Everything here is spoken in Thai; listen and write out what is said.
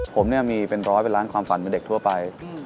ผมเนี่ยมีเป็นร้อยเป็นล้านความฝันเป็นเด็กทั่วไป